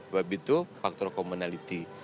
kita harus memiliki keinginan untuk transportasi teknologi